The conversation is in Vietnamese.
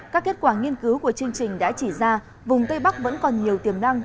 các kết quả nghiên cứu của chương trình đã chỉ ra vùng tây bắc vẫn còn nhiều tiềm năng